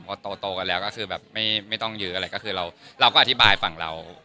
พอโตกันแล้วก็คือแบบไม่ต้องยื้ออะไรก็คือเราก็อธิบายฝั่งเรา